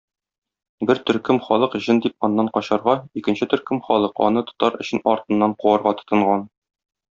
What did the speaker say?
Бер төркем халык җен дип аннан качарга, икенче төркем халык аны тотар өчен артыннан куарга тотынган.